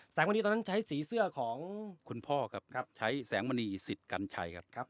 มณีตอนนั้นใช้สีเสื้อของคุณพ่อครับใช้แสงมณีสิทธิ์กัญชัยครับ